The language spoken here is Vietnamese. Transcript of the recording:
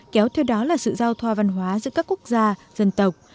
kéo theo đó là sự giao thoa văn hóa giữa các quốc gia dân tộc